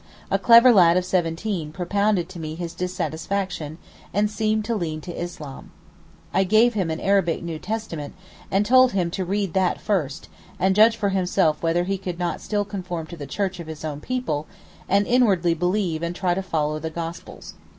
A clever lad of seventeen propounded to me his dissatisfaction, and seemed to lean to Islam. I gave him an Arabic New Testament, and told him to read that first, and judge for himself whether he could not still conform to the Church of his own people, and inwardly believe and try to follow the Gospels.